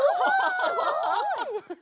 すごい！